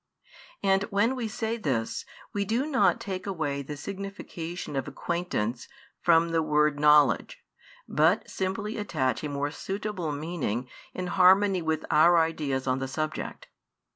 And when we say this, we do not take away the signification of "acquaintance" from the word "knowledge," but simply attach a more suitable meaning in harmony with our ideas on the subject.